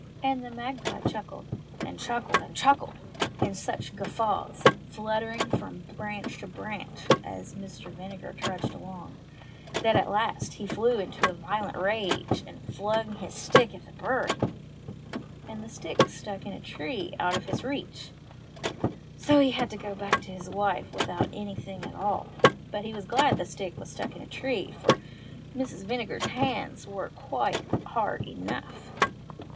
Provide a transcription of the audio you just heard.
And the magpie chuckled, and chuckled, and chuckled in such guffaws, fluttering from branch to branch as Mr. Vinegar trudged along, that at last he flew into a violent rage and flung his stick at the bird. And the stick stuck in a tree out of his reach ; so he had to go back to his wife without any thing at all. But he was glad the stick had stuck in a tree, for Mrs. Vinegar's hands were quite hard enough.